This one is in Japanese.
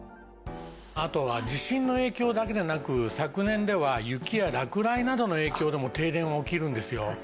あとは地震の影響だけではなく昨年では雪や落雷などの影響でも停電は起きるんですよ。